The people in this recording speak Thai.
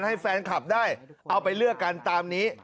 ให้แฟนคลับได้เอาไปเลือกกันตามนี้